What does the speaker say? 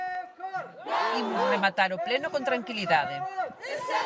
Imos rematar o pleno con tranquilidade.